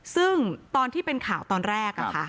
ซึ่งตอนที่เป็นข่าวตอนแรก